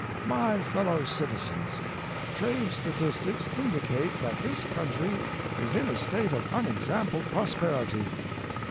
My fellow citizens, trade statistics indicate that this country is in a state of unexampled prosperity.